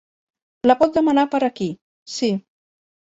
La pot demanar per aquí, sí.